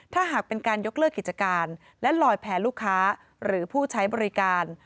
ถ้าหากเป็นการยกเลิกกิจการและลอยแพ้ลูกค้าหรือผู้ใช้บริการ